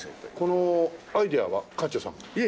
このアイデアは館長さんが？